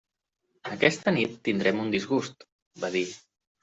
«Aquesta nit tindrem un disgust», va dir.